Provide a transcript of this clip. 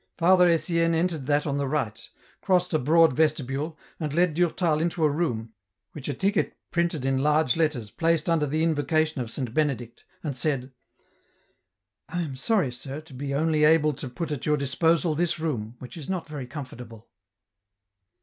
Father Etienne entered that on the right, crossed a broad vestibule, and led Durtal into a room, which a ticket printed in large letters placed under the invocation of St. Benedict, and said, " I am sorry, sir, to be only able to put at your disposal this room, which is not very com fortable."